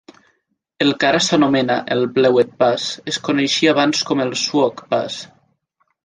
El que ara s'anomena el Blewett Pass es coneixia abans com el Swauk Pass.